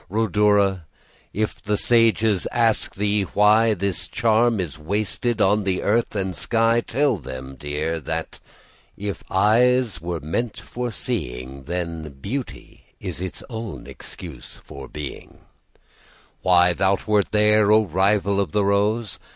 Rhodora! if the sages ask thee whyThis charm is wasted on the earth and sky, Tell them, dear, that if eyes were made for seeing, Then Beauty is its own excuse for being:Why thou wert there, O rival of the rose!